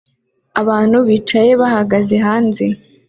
abantu bicaye bahagaze hanze